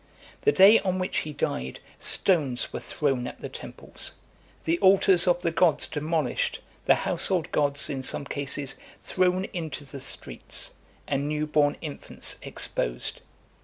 The day on which he died, stones were thrown at the temples, the altars of the gods demolished, the household gods, in some cases, thrown into the streets, and new born infants exposed.